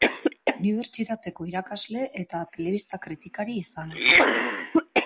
Unibertsitateko irakasle eta telebista-kritikari izana.